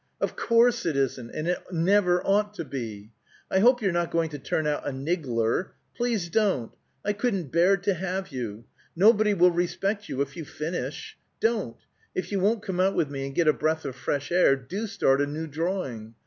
"Of course it isn't, and it never ought to be! I hope you're not going to turn out a niggler! Please don't! I couldn't bear to have you. Nobody will respect you if you finish. Don't! If you won't come out with me and get a breath of fresh air, do start a new drawing!